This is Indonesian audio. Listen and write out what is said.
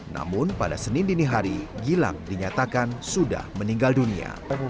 namun pada senin dini hari gilang dinyatakan sudah meninggal dunia